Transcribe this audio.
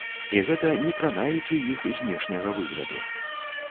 І гэта не кранаючы іх знешняга выгляду.